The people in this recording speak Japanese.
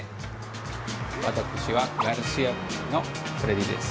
私はガルシアのフレディです。